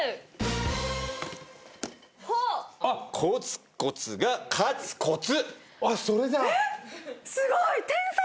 コツコツが勝つコツ！